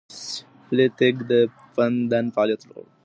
پلی تګ د بدن فعالیت لوړوي.